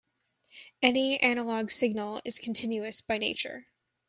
Any analog signal is continuous by nature.